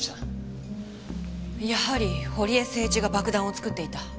やはり堀江誠一が爆弾を作っていた。